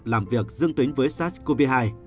làm việc dương tính với sars cov hai